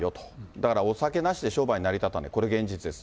だからお酒なしで商売成り立たない、これ、現実です。